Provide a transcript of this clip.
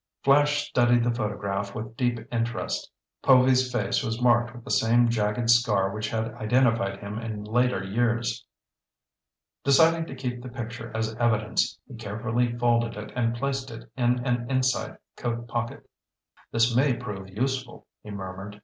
Flash studied the photograph with deep interest. Povy's face was marked with the same jagged scar which had identified him in later years. Deciding to keep the picture as evidence, he carefully folded it and placed it in an inside coat pocket. "This may prove useful," he murmured.